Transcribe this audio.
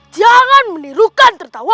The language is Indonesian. jangan menirukan tertawamu